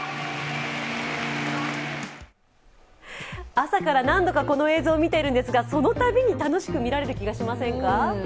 朝から何度かこの映像を見ているんですがそのたびに楽しく見られる気がしませんか？